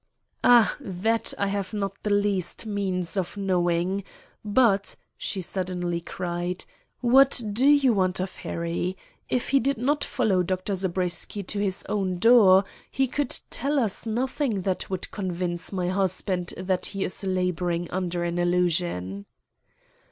"Ah, that I have not the least means of knowing. But," she suddenly cried, "what do you want of Harry? If he did not follow Dr. Zabriskie to his own door, he could tell us nothing that would convince my husband that he is laboring under an illusion."